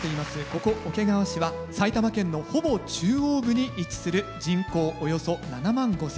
ここ桶川市は埼玉県のほぼ中央部に位置する人口およそ７万５，０００の町です。